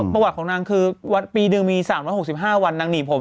ประวัติของนางคือปีหนึ่งมี๓๖๕วันนางหนีบผม